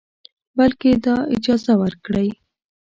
بلکې دا اجازه ورکړئ